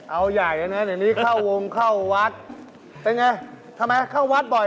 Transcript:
เอาใหญ่นะในนี้เข้าวงเข้าวัด